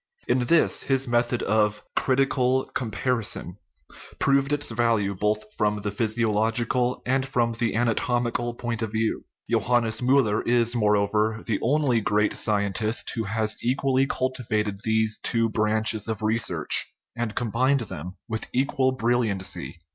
In this his method of critical comparison proved its value both from the physiological and from the ana tomical point of view. Johannes Miiller is, moreover, the only great scientist who has equally cultivated these two branches of research, and combined them with equal brilliancy.